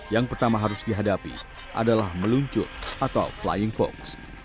yang pertama harus dihadapi adalah meluncur atau flying fox